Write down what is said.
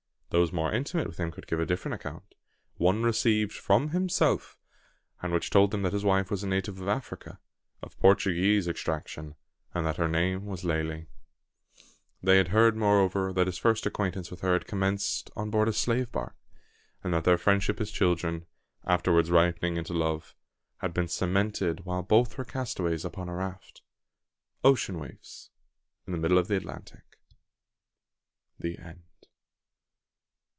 Those more intimate with him could give a different account, one received from himself; and which told them that his wife was a native of Africa, of Portuguese extraction, and that her name was Lalee. They had heard, moreover, that his first acquaintance with her had commenced on board a slave bark; and that their friendship as children, afterwards ripening into love, had been cemented while both were castaways upon a raft Ocean Waifs in the middle of the Atlantic. THE END.